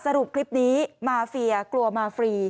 คลิปนี้มาเฟียกลัวมาฟรี